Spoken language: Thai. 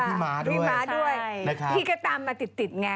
มีม้าด้วยพี่ก็ตามมาติดไง